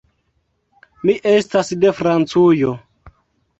Mi estas de Francujo.